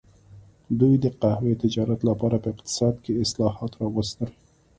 دوی د قهوې تجارت لپاره په اقتصاد کې اصلاحات راوستل.